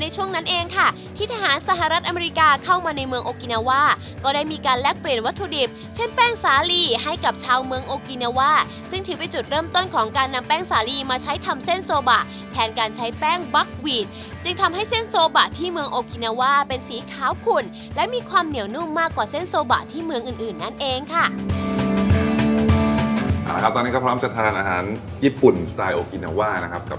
เช่นแป้งสาลีให้กับชาวเมืองโอกินาว่าซึ่งถือไปจุดเริ่มต้นของการนำแป้งสาลีมาใช้ทำเส้นโซบาแทนการใช้แป้งบั๊กหวีดจึงทำให้เส้นโซบาที่เมืองโอกินาว่าเป็นสีขาวขุ่นและมีความเหนียวนุ่มมากกว่าเส้นโซบาที่เมืองอื่นนั่นเองค่ะ